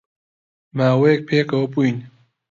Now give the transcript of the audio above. ماوەیەک پێکەوە بووین